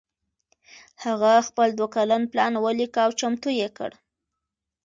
هغه خپل دوه کلن پلان وليکه او چمتو يې کړ.